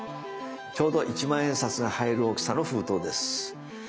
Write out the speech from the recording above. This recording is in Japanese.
ちょうど一万円札が入る大きさの封筒です。